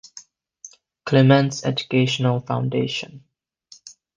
Clements Educational Foundation.